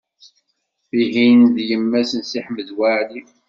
Tihin d yemma-s n Si Ḥmed Waɛli.